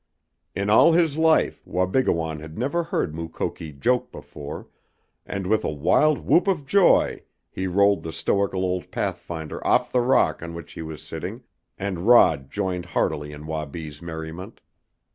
In all his life Wabigoon had never heard Mukoki joke before, and with a wild whoop of joy he rolled the stoical old pathfinder off the rock on which he was sitting, and Rod joined heartily in Wabi's merriment.